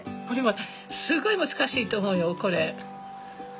これはすごい難しいと思うよこれ。